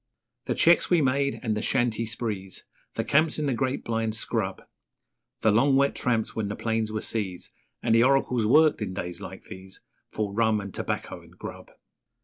The cheques we made and the shanty sprees, The camps in the great blind scrub, The long wet tramps when the plains were seas, And the oracles worked in days like these For rum and tobacco and grub.